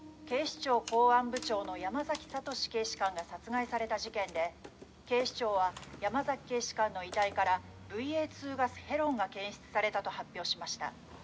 警視庁公安部長の山崎聡士警視監が殺害された事件で警視庁は山崎警視監の遺体からＶＡ２ガスヘロンが検出されたと発表しました。